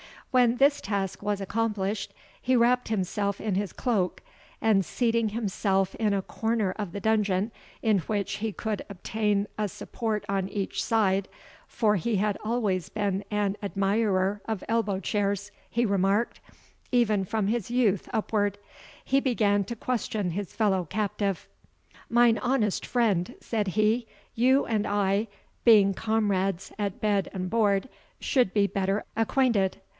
When this task was accomplished, he wrapped himself in his cloak, and seating himself in a corner of the dungeon in which he could obtain a support on each side (for he had always been an admirer of elbow chairs, he remarked, even from his youth upward), he began to question his fellow captive. "Mine honest friend," said he, "you and I, being comrades at bed and board, should be better acquainted.